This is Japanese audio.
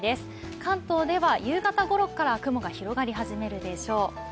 関東では夕方ごろから雲が広がり始めるでしょう。